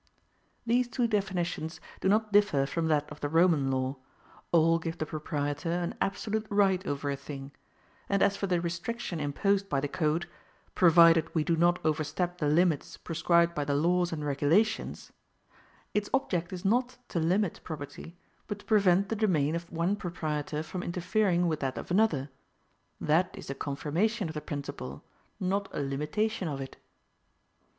These two definitions do not differ from that of the Roman law: all give the proprietor an absolute right over a thing; and as for the restriction imposed by the code, PROVIDED WE DO NOT OVERSTEP THE LIMITS PRESCRIBED BY THE LAWS AND REGULATIONS, its object is not to limit property, but to prevent the domain of one proprietor from interfering with that of another. That is a confirmation of the principle, not a limitation of it.